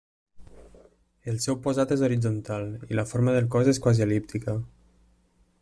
El seu posat és horitzontal i la forma del cos és quasi el·líptica.